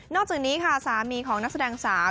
จากนี้ค่ะสามีของนักแสดงสาว